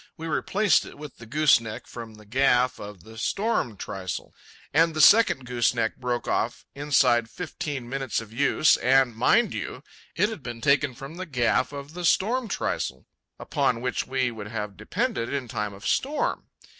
We replaced it with the gooseneck from the gaff of the storm trysail, and the second gooseneck broke short off inside fifteen minutes of use, and, mind you, it had been taken from the gaff of the storm trysail, upon which we would have depended in time of storm.